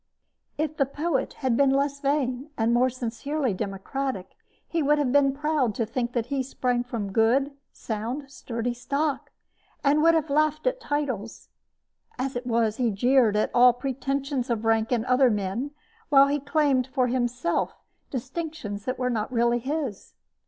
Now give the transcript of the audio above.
If the poet had been less vain and more sincerely democratic, he would have been proud to think that he sprang from good, sound, sturdy stock, and would have laughed at titles. As it was, he jeered at all pretensions of rank in other men, while he claimed for himself distinctions that were not really his.